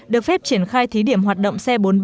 được phép triển khai thí điểm hoạt động